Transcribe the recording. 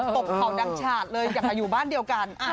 ตบเขาดังฉาดเลยอยากมาอยู่บ้านเดียวกัน